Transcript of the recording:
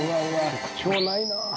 特徴ないな。